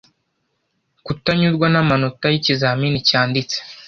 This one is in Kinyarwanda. kutanyurwa n amanota y ikizamini cyanditse